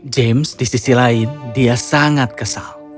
james di sisi lain dia sangat kesal